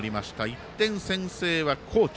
１点先制は、高知。